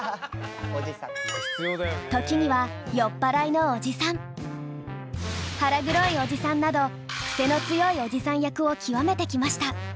時には「酔っぱらいのおじさん」「腹黒いおじさん」などクセの強いおじさん役を極めてきました。